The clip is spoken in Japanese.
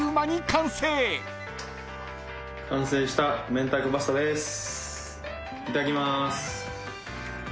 完成しためんたいこパスタです。